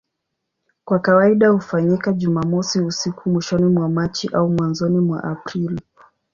Kwa kawaida hufanyika Jumamosi usiku mwishoni mwa Machi au mwanzoni mwa Aprili.